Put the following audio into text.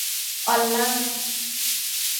ออลล่า